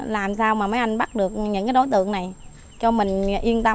làm sao mà mấy anh bắt được những đối tượng này cho mình yên tâm